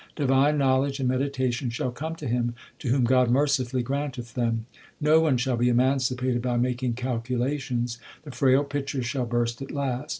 Divine knowledge and meditation shall come to him To whom God mercifully granteth them. No one shall be emancipated by making calculations ; The frail pitcher shall burst at last.